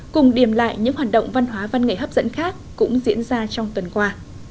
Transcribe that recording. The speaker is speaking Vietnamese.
cùng điểm lại những hoạt động văn hóa văn nghệ hấp dẫn khác cũng diễn ra trong tuần qua